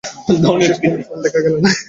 বিশেষ কোনো ফল দেখা গেল না।